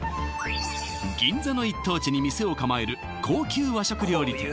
銀座の一等地に店を構える高級和食料理店